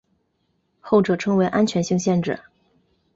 后者称为安全性限制。